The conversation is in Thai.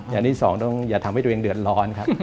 อย่างที่สองต้องอย่าทำให้ตัวเองเดือดร้อนครับ